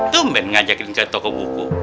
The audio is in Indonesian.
tumben ngajakin ke toko buku